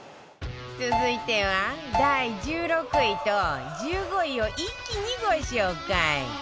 続いては第１６位と１５位を一気にご紹介